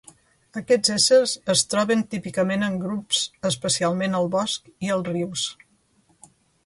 Aquests éssers es troben típicament en grups especialment al bosc i als rius.